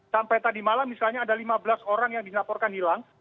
sampai tadi malam misalnya ada lima belas orang yang dilaporkan hilang